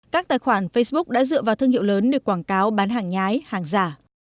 các tài khoản facebook đã dựa vào thương hiệu lớn để quảng cáo bán hàng nhái hàng giả